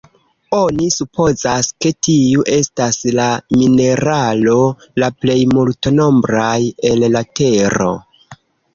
Oni supozas, ke tiu estas la mineralo la plej multnombraj el la tero.